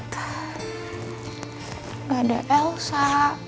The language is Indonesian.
gak ada elsa